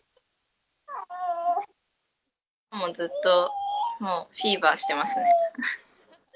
もうずっと、もうフィーバーしてますね。